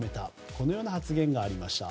このような発言がありました。